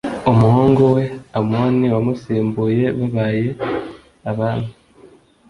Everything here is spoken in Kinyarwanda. umuhungu we amoni wamusimbuye babaye abami